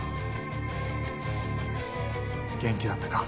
元気だったか？